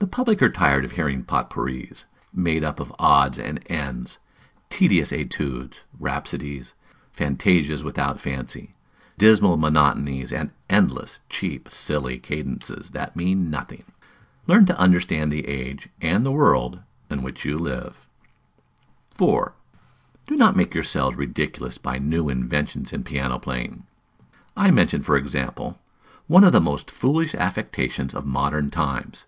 The public are tired of hearing Potpourris, made up of odds and ends, tedious Etudes, Rhapsodies, Fantasias without fancy, dismal monotonies and endless, cheap, silly cadences that mean nothing. Learn to understand the age, and the world in which you live. 4. Do not make yourselves ridiculous by new inventions in piano playing. I mention, for example, one of the most foolish affectations of modern times.